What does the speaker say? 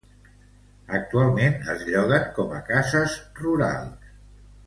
Actualment es lloguen com a cases rurals.